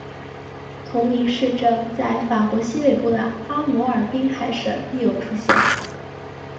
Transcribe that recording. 同名市镇在法国西北部的阿摩尔滨海省亦有出现。